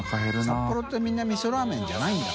ニ擇辰みんなみそラーメンじゃないんだ。